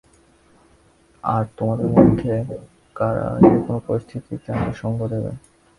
আর তোমাদের মধ্যে কারা যেকোনো পরিস্থিতিতে আমার সঙ্গ দেবে!